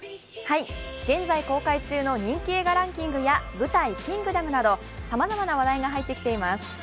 現在公開中の人気映画ランキングや舞台「キングダム」などさまざまな話題が入ってきています。